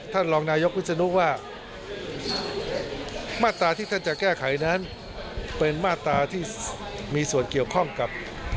ท่านรองนายกวิศนุว่ามาตราที่ท่านจะแก้ไขนั้นเป็นมาตราที่มีส่วนเกี่ยวข้องกับ